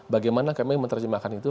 bagaimana kami menerjemahkan itu